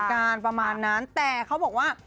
การประมาณนั้นแต่เขาบอกว่า